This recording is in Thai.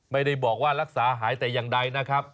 ไม่ได้บอกว่ารักษาหายแต่อย่างใดนะครับ